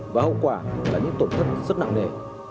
và hậu quả là những tổn thất rất nặng nề